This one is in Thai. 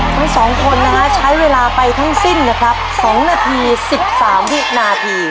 ทั้งสองคนใช้เวลาไปทั้งสิ้นนะครับ๒นาที๑๓นาทีครับ